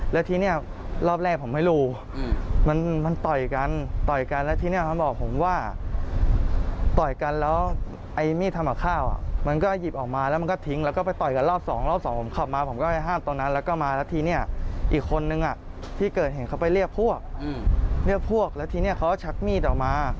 แล้วตัวเขาชักมีดออกมา